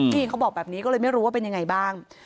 เขาบอกแบบนี้ก็เลยไม่รู้ว่าเป็นยังไงบ้าง